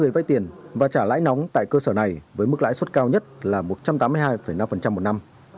về vay tiền và trả lãi nóng tại cơ sở này với mức lãi suất cao nhất là một trăm tám mươi hai năm một năm